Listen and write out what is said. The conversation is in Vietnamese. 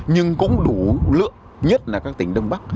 nhưng cũng đủ lượng nhất là các tỉnh đông bắc